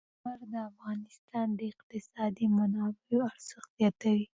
سنگ مرمر د افغانستان د اقتصادي منابعو ارزښت زیاتوي.